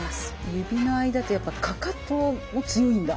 指の間とやっぱかかとも強いんだ。